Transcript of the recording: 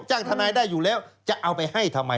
ทนายได้อยู่แล้วจะเอาไปให้ทำไม